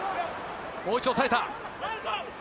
もう一度おさえた。